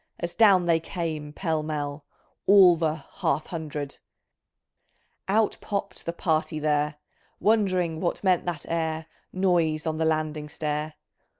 As down they came pell mell, All the "Half hundred Out popt the " party '' there ! Wondering what meant that ere Noise on the landing stair